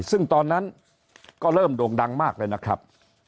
ซึ่งตอนนั้นก็เริ่มโด่งดังมากเลยนะครับ